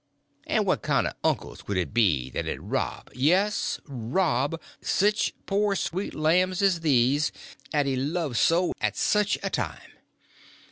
And what kind o' uncles would it be that 'd rob—yes, rob—sech poor sweet lambs as these 'at he loved so at sech a time?